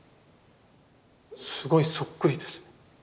すごいそっくりです。